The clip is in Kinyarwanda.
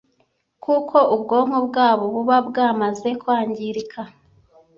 kuko ubwonko bwabo buba bwamaze kwangirika